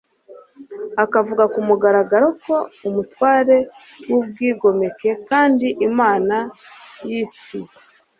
Avuga ku mugaragaro ko ari umutware w'ubwigomeke kandi imana y'iyi si.